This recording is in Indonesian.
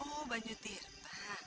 oh bayu tirta